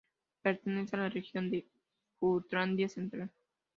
Pertenece a la región de Jutlandia Central.